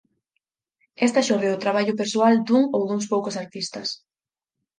Esta xorde do traballo persoal dun ou duns poucos artistas.